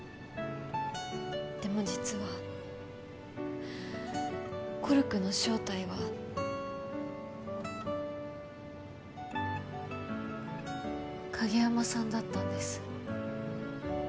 でも実はＫＯＲＵＫＵの正体は影山さんだったんです。